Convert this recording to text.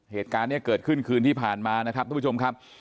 เหตุการณ์เนี่ยเกิดขึ้นคืนที่ผ่านมานะครับทุกผู้ชมครับ